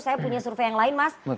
saya punya survei yang lain mas